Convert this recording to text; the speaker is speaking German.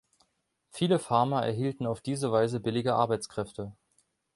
Viele Farmer erhielten auf diese Weise billige Arbeitskräfte.